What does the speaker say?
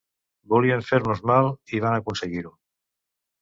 Volien fer-nos mal i van aconseguir-ho.